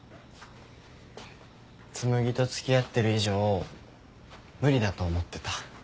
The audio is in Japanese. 紬と付き合ってる以上無理だと思ってた。